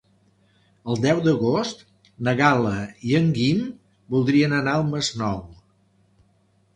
El deu d'agost na Gal·la i en Guim voldrien anar al Masnou.